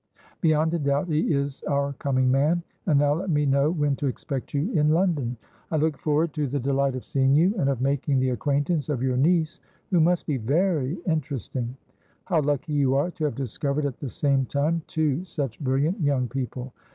Beyond a doubt, he is our coming man! And now let me know when to expect you in London. I look forward to the delight of seeing you, and of making the acquaintance of your niece, who must be very interesting. How lucky you are to have discovered at the same time two such brilliant young people!